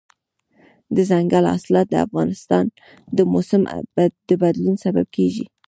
دځنګل حاصلات د افغانستان د موسم د بدلون سبب کېږي.